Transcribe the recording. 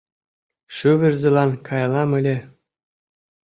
Шӱвырзылан каялам ыле.